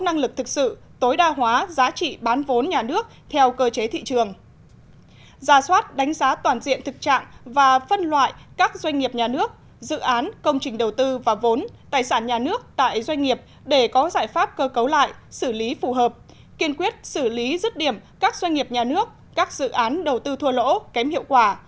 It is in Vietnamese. ba cần có năng lực thực sự tối đa hóa giá trị bán vốn nhà nước theo cơ chế thị trường giả soát đánh giá toàn diện thực trạng và phân loại các doanh nghiệp nhà nước dự án công trình đầu tư và vốn tài sản nhà nước tại doanh nghiệp để có giải pháp cơ cấu lại xử lý phù hợp kiên quyết xử lý rứt điểm các doanh nghiệp nhà nước các dự án đầu tư thua lỗ kém hiệu quả